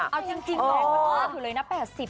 อ้าวจริงแพงมากถูกเลยนะ๘๐ปี